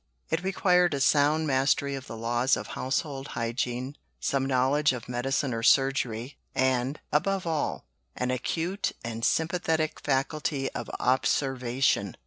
It required a sound mastery of the laws of household hygiene, some knowledge of medicine or surgery, and, above all, an acute and sympathetic faculty of observation.